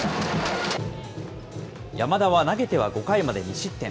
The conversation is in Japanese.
山田は投げては５回まで２失点。